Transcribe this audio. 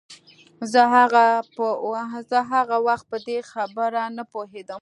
زه هغه وخت په دې خبره نه پوهېدم.